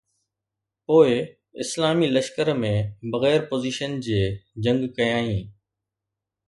پوءِ اسلامي لشڪر ۾ بغير پوزيشن جي جنگ ڪيائين